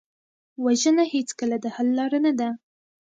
وژنه هېڅکله د حل لاره نه ده